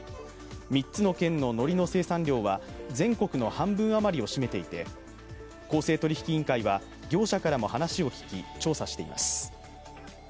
３つの県ののりの生産量は全国ののりの半分以上を占めていて公正取引委員会は業者からも話を聞き、調査しています。